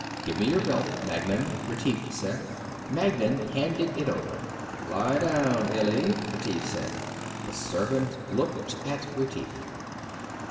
"Give me your belt, Magnan," Retief said. Magnan handed it over. "Lie down, Illy," Retief said. The servant looked at Retief.